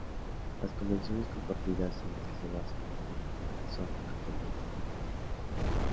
Las convenciones compartidas en las que se basa una identidad son frecuentemente implícitas.